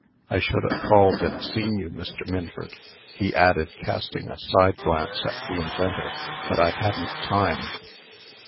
I should ha' called and seen you, Mr. Minford," he added, casting a side glance at the inventor, "but I hadn't time."